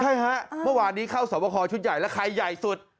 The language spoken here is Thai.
ใช่ฮะเมื่อวานนี้เข้าสวบคอชุดใหญ่แล้วใครใหญ่สุด